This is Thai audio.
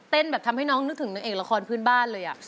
เต้นแบบทำให้น้องนึกถึงเองละครพื้นบ้านเลยอะ